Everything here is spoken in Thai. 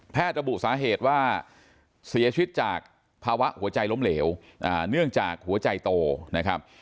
ภาวะหัวใจล้มเหลวเนื่องจากหัวใจโตนะครับ